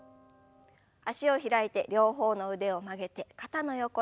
脚を開いて両方の腕を曲げて肩の横へ。